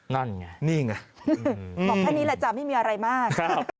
นั่นไงนี่ไงบอกแค่นี้แหละจ้ะไม่มีอะไรมาก